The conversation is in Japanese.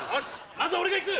まず俺が行く！